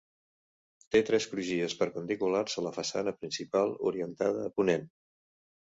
Té tres crugies perpendiculars a la façana principal, orientada a ponent.